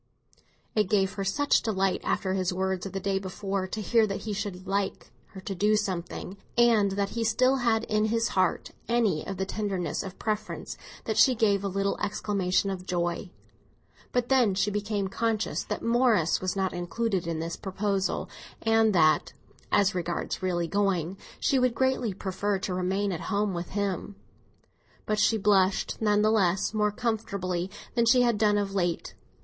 It gave her such delight, after his words of the day before, to hear that he should "like" her to do something, and that he still had in his heart any of the tenderness of preference, that she gave a little exclamation of joy. But then she became conscious that Morris was not included in this proposal, and that—as regards really going—she would greatly prefer to remain at home with him. But she blushed, none the less, more comfortably than she had done of late.